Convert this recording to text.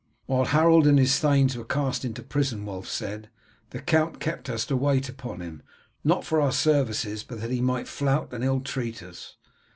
"While Harold and his thanes were cast into prison," Wulf said, "the count kept us to wait upon him; not for our services, but that he might flout and ill treat us.